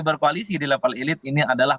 berkoalisi di level elit ini adalah